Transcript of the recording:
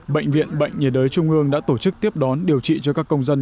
bệnh viện bệnh nhiệt đới trung ương đã tổ chức tiếp đón điều trị cho các công dân